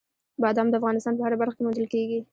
بادام د افغانستان په هره برخه کې موندل کېږي.